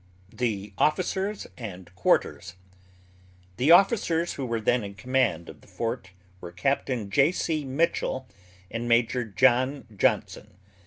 THE OFFICERS AND QUARTERS. The officers who were then in command of the fort were Capt. J.C. Mitchell and Major John Johnson.